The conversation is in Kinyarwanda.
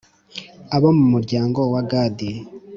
Abo mu muryango wa gadi